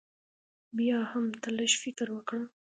بيا هم تۀ لږ فکر وکړه